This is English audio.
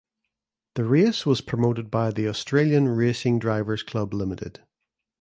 The race was promoted by the Australian Racing Drivers Club Ltd.